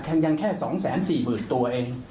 ยังแค่๒๔๐๐๐ตัวเอง